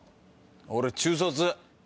俺中卒。